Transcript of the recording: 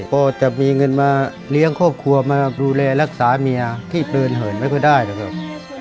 ก็จะมีเงินมาเลี้ยงครอบครัวมาดูแลรักษาเมียที่เดินเหินไม่ค่อยได้นะครับ